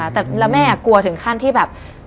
แต่แล้วแม่กลัวถึงขั้นที่แบบ